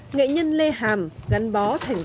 nghệ nhân lê hàm gắn bó thạch đào